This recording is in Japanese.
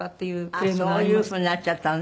そういう風になっちゃったのね。